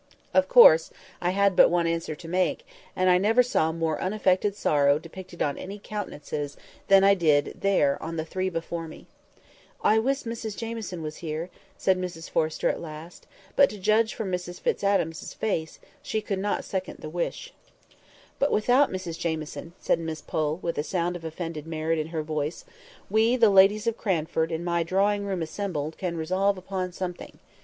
Of course, I had but one answer to make; and I never saw more unaffected sorrow depicted on any countenances than I did there on the three before me. "I wish Mrs Jamieson was here!" said Mrs Forrester at last; but to judge from Mrs Fitz Adam's face, she could not second the wish. "But without Mrs Jamieson," said Miss Pole, with just a sound of offended merit in her voice, "we, the ladies of Cranford, in my drawing room assembled, can resolve upon something.